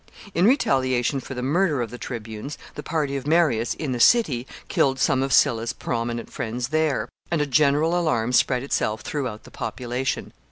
In retaliation for the murder of the tribunes, the party of Marius in the city killed some of Sylla's prominent friends there, and a general alarm spread itself throughout the population.